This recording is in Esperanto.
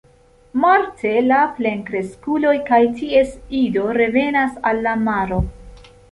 Marte la plenkreskuloj kaj ties ido revenas al la maro.